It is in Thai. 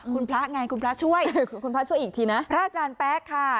คุณพระไงคุณพระช่วยคุณพระช่วยอีกทีนะพระอาจารย์แป๊กค่ะ